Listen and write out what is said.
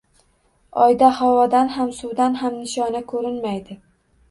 Oyda havodan ham, suvdan ham nishona ko‘rinmaydi